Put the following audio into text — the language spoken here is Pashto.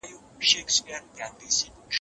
پروټین، غوړي او پېچلي کاربوهایډریټونه ګټور دي.